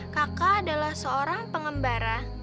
kakak adalah seorang pengembara